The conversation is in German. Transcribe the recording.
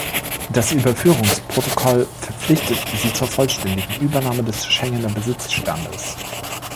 Das Überführungsprotokoll verpflichtet sie zur vollständigen Übernahme des Schengener Besitzstands.